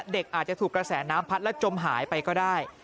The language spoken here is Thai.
เด็กอาจจะถูกกระแสน้ำพัดแล้วจมหายไปก็ได้